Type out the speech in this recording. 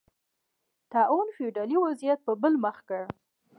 طاعون فیوډالي وضعیت په بل مخ کړ.